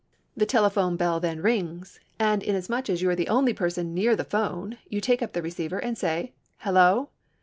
The telephone bell then rings, and inasmuch as you are the only person near the phone you take up the receiver and say, "Hello."